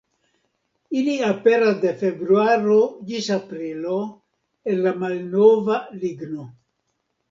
Ili aperas de februaro ĝis aprilo el la malnova ligno.